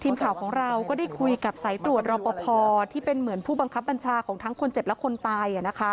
ทีมข่าวของเราก็ได้คุยกับสายตรวจรอปภที่เป็นเหมือนผู้บังคับบัญชาของทั้งคนเจ็บและคนตาย